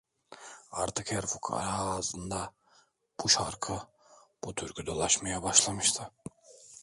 Artık her fukara ağzında, bu şarkı, bu türkü dolaşmaya başlamıştı.